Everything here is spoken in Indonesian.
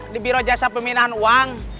di biro jasa pemindahan uang